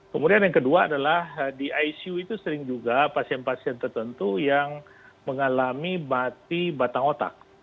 kemudian yang kedua adalah di icu itu sering juga pasien pasien tertentu yang mengalami mati batang otak